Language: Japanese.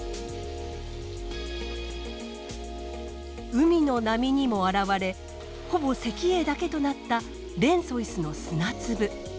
海の波にも洗われほぼ石英だけとなったレンソイスの砂粒。